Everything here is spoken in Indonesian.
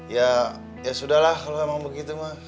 ya ya sudah lah kalau memang begitu mah